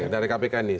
dari kpk nih